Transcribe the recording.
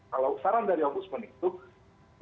kalau saran dari ombudsman itu